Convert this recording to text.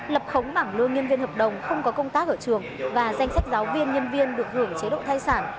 lập khống bảng lương nhân viên hợp đồng không có công tác ở trường và danh sách giáo viên nhân viên được hưởng chế độ thai sản